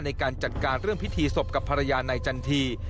ในการจัดการเรื่องพิธีศพกับภรรยานายจันที